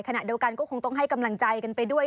ขณะเดียวกันก็คงต้องให้กำลังใจกันไปด้วย